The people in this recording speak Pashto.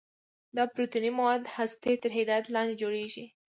دا پروتیني مواد د هستې تر هدایت لاندې جوړیږي.